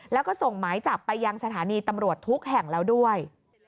แล้วก็ส่งหมายจับไปยังสถานีตำรวจทุกแห่งแล้วด้วย